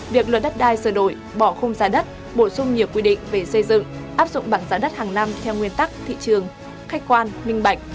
việc luật đất đai sửa đổi bỏ khung giá đất bổ sung nhiều quy định về xây dựng áp dụng bảng giá đất hàng năm theo nguyên tắc thị trường khách quan minh bạch